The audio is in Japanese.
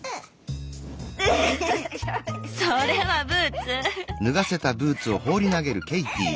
それはブーツ！